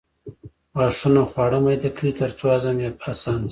غاښونه خواړه میده کوي ترڅو هضم یې اسانه شي